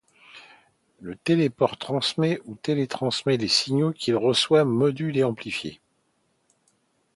Le téléport transmet ou retransmet les signaux qu'il reçoit, module et amplifie.